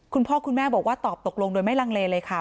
คุณพ่อคุณแม่บอกว่าตอบตกลงโดยไม่ลังเลเลยค่ะ